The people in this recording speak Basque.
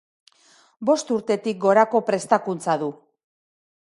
Bost urtetik gorako prestakuntza du.